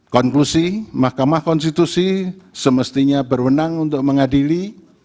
konklusi mahkamah konstitusi semestinya berwenang untuk mengadili